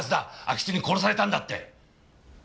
安芸津に殺されたんだって。